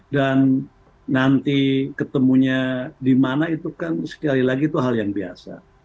dan nanti ketemunya dimana itu kan sekali lagi itu hal yang biasa